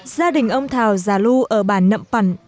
gia đình ông thảo già lu ở bản nậm pần